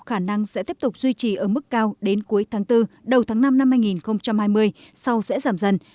khả năng sẽ tiếp tục duy trì ở mức cao đến cuối tháng bốn đầu tháng năm năm hai nghìn hai mươi sau sẽ giảm dần